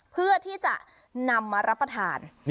เพื่อที่จะนำมารับประทาน